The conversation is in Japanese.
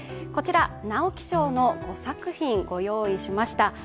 こちら直木賞の５作品をご用意しました。